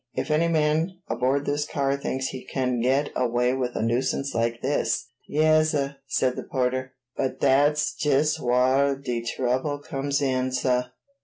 If any man aboard this car thinks he can get away with a nuisance like this " "Yas, suh," said the porter; "but that's jest whar de trouble comes in, suh.